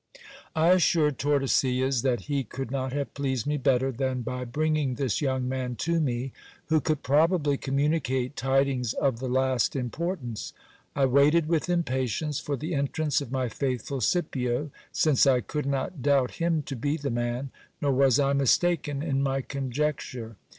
I assured Tordesillas that he could not have pleased me better than by bringing this young man to me, who could probably communicate tidings of the last importance. I waited with impatience for the entrance of my faithful Scipio ; since I could not doubt him to be the man, nor was 1 mistaken in my conjecture.